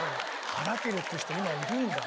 腹切るって言う人今いるんだ。